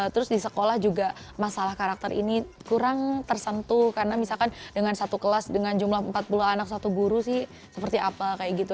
terus di sekolah juga masalah karakter ini kurang tersentuh karena misalkan dengan satu kelas dengan jumlah empat puluh anak satu guru sih seperti apa kayak gitu